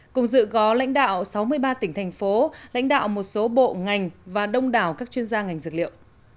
cùng dự có lãnh đạo sáu mươi ba tỉnh thành phố lãnh đạo một số bộ ngành và đông đảo các chuyên gia ngành dược liệu